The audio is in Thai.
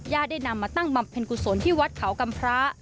ได้นำมาตั้งบำเพ็ญกุศลที่วัดเขากำพระ